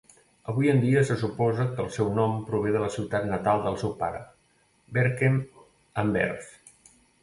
Avui en dia se suposa que el seu nom prové de la ciutat natal del seu pare, Berchem, Anvers.